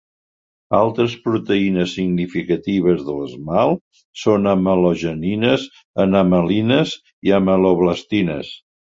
Altres proteïnes significatives de l'esmalt son amelogenines, enamelines i ameloblastines.